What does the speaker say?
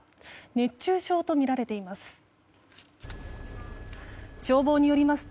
熱中症とみられています。